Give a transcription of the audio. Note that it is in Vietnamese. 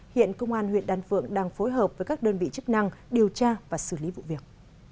hiện công an huyện đan phượng đang phối hợp với các đơn vị chức năng điều tra và xử lý vụ việc